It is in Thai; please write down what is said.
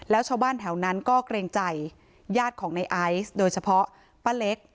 แล้วชาวบ้านแถวนั้นก็เกรงใจญาติของในไอซ์โดยเฉพาะป้าเล็ก